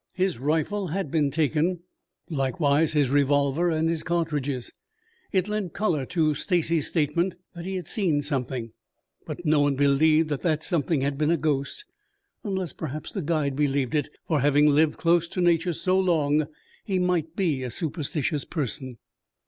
His rifle had been taken, likewise his revolver and his cartridges. It lent color to Stacy's statement that he had seen something, but no one believed that that something had been a ghost, unless perhaps the guide believed it, for having lived close to Nature so long, he might be a superstitious person.